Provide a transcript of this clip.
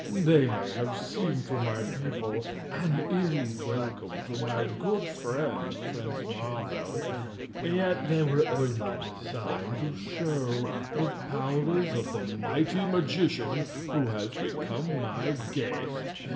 "They may have seemed to my people an ill welcome to my good friend, Prince Marvel; yet they were only designed to show the powers of the mighty magician who has become my guest.